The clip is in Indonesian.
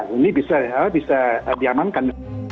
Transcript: ini bisa diamankan